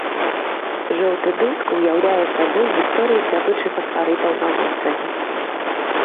Жоўты дыск уяўляе сабой гісторыю здабычы фасфарытаў на востраве.